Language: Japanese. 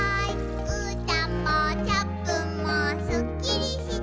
「うーたんもチャップンもスッキリして」